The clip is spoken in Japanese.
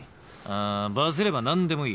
あバズれば何でもいい。